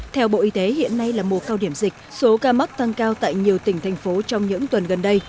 theo bộ y tế hiện nay là mùa cao điểm dịch số ca mắc tăng cao tại nhiều tỉnh thành phố trong những tuần gần đây